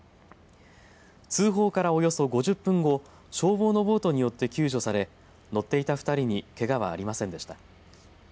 通報からおよそ５０分後消防のボートによって救助され乗っていた２人にけがはありませんでした。